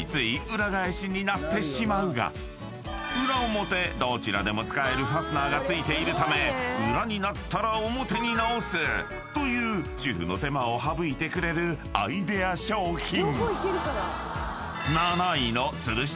［裏表どちらでも使えるファスナーが付いているため裏になったら表に直すという主婦の手間を省いてくれるアイデア商品］